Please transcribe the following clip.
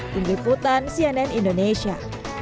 pemiputan cnn indonesia